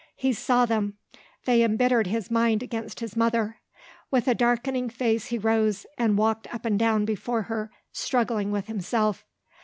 He saw them; they embittered his mind against his mother. With a darkening face he rose, and walked up and down before her, struggling with himself.